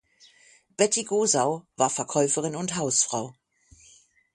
Betty Gosau war Verkäuferin und Hausfrau.